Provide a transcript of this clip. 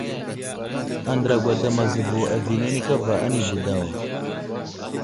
Andra gwadam azevo aviyenene kava anibo daw.